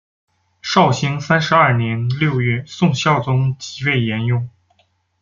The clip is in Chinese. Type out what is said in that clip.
绍兴三十二年六月宋孝宗即位沿用。